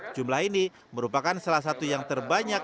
jumlah ini merupakan salah satu yang terbanyak